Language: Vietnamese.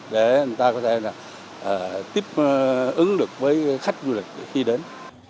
để người ta có thể tiếp ứng được với khách du lịch khi đến